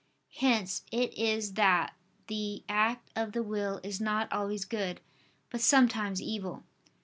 Hence it is that the act of the will is not always good, but sometimes evil.